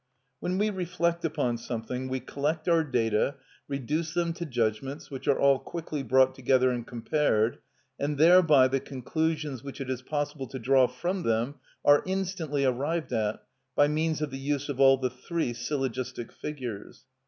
When we reflect upon something, we collect our data, reduce them to judgments, which are all quickly brought together and compared, and thereby the conclusions which it is possible to draw from them are instantly arrived at by means of the use of all the three syllogistic figures.